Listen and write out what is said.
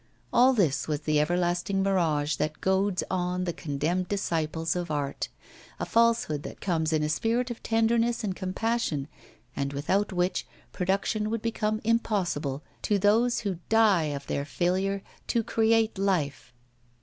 All this was the everlasting mirage that goads on the condemned disciples of art, a falsehood that comes in a spirit of tenderness and compassion, and without which production would become impossible to those who die of their failure to create life.